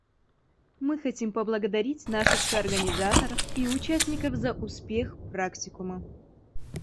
Мы хотим поблагодарить наших соорганизаторов и участников за успех практикума.